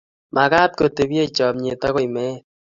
mekat ko tebie chamyet agoi meet